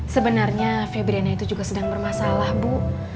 sebenarnya febriana itu juga sedang bermasalah bu